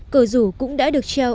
cờ rủ cũng đã được treo